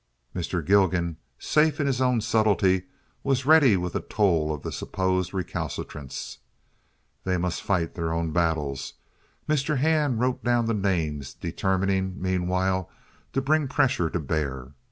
Mr. Gilgan, safe in his own subtlety, was ready with a toll of the supposed recalcitrants. They must fight their own battles. Mr. Hand wrote down the names, determining meanwhile to bring pressure to bear.